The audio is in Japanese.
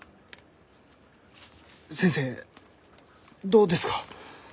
先生どうですか？